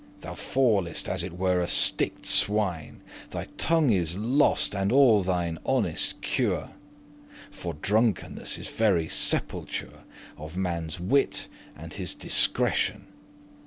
Thou fallest as it were a sticked swine; Thy tongue is lost, and all thine honest cure;* *care For drunkenness is very sepulture* *tomb Of manne's wit and his discretion.